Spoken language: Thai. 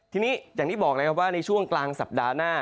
ทีนี้อย่างที่บอกนะครับว่าในช่วงกลางสัปดาห์หน้า